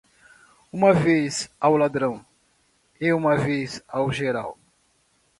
Uma vez ao ladrão? e uma vez ao geral.